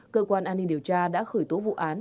cơ quan an ninh điều tra đã khởi tố vụ án